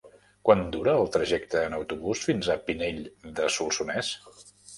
Quant dura el trajecte en autobús fins a Pinell de Solsonès?